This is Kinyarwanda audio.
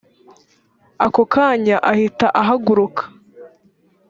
ako kanya ahita ahaguruka